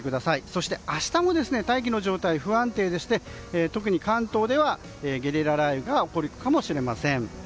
そして明日も大気の状態が不安定でして特に関東では、ゲリラ雷雨が起こるかもしれません。